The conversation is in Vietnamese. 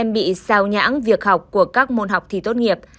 bị sao nhãng việc học của các môn học thi tốt nghiệp